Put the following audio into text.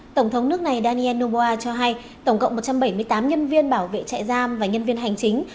tổng thống nước này daniel noboa cho hay tổng cộng một trăm bảy mươi tám nhân viên bảo vệ trại giam và nhân viên hành chính